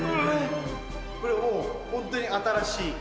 これはもうホントに新しい？